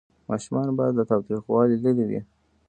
ماشومان باید له تاوتریخوالي لرې وي.